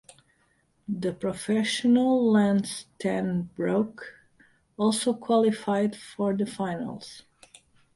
The professional Lance Ten Broeck also qualified for the finals.